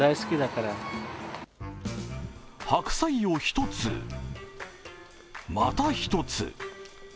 白菜を１つ、また１つ。